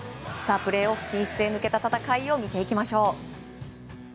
プレーオフ進出へ向けた戦いを見ていきましょう。